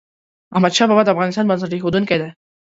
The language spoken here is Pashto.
احمد شاه بابا د افغانستان بنسټ ایښودونکی ده.